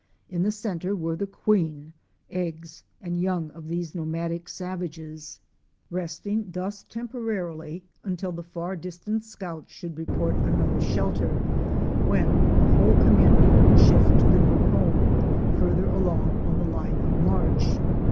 In the centre were the queen, eggs, and young of these nomadic savages, resting 54 OUR SEARCH FOR A WILDERNESS. thus temporarily until the far distant scouts should report another shelter, when the whole community would shift to the new home, farther along on the line of march.